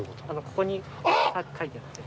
ここに書いてあって。